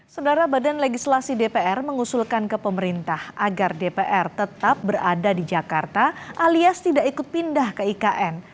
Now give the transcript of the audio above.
sebenarnya badan legislasi dpr mengusulkan ke pemerintah agar dpr tetap berada di jakarta alias tidak ikut pindah ke ikn